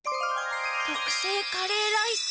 とくせいカレーライス。